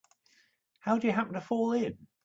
How'd you happen to fall in?